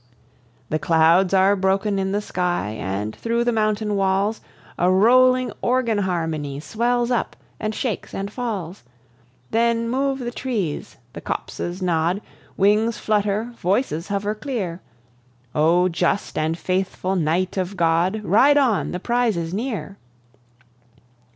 The clouds are broken in the sky, And thro' the mountain walls A rolling organ harmony Swells up, and shakes and falls. Then move the trees, the copses nod, Wings flutter, voices hover clear: "O just and faithful knight of God! Ride on! the prize is near."